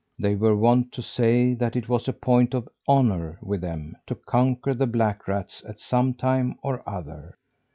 They were wont to say that it was a point of honour with them to conquer the black rats at some time or other.